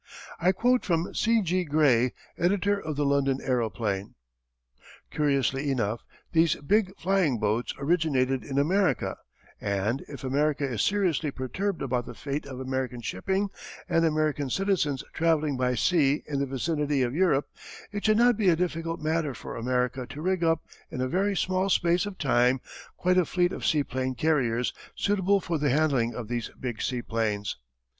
I quote from C. G. Grey, editor of The London Aeroplane: "Curiously enough, these big flying boats originated in America, and, if America is seriously perturbed about the fate of American shipping and American citizens travelling by sea in the vicinity of Europe, it should not be a difficult matter for America to rig up in a very small space of time quite a fleet of seaplane carriers suitable for the handling of these big seaplanes.